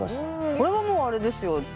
これはもうあれですよ。